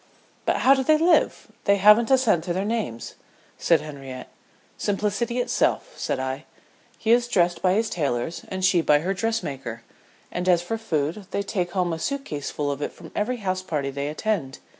"But how do they live? they haven't a cent to their names," said Henriette. "Simplicity itself," said I. "He is dressed by his tailors and she by her dressmaker; and as for food, they take home a suit case full of it from every house party they attend.